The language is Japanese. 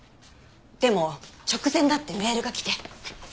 でも直前になってメールが来て。